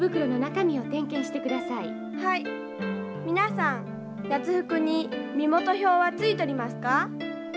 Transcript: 皆さん夏服に身元票はついとりますか？